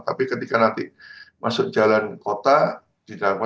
tapi ketika nanti masuk jalan kota tidak apa apa